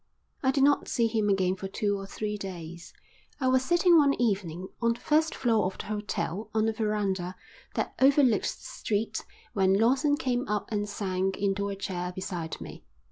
I did not see him again for two or three days. I was sitting one evening on the first floor of the hotel on a verandah that overlooked the street when Lawson came up and sank into a chair beside me.